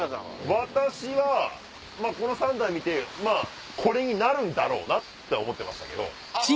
私はこの３台見てこれになるんだろうなって思ってましたけど。